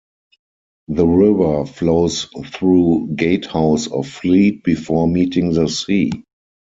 The river flows through Gatehouse of Fleet before meeting the sea.